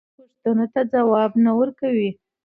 پوښتنو ته ځواب نه ورکوي.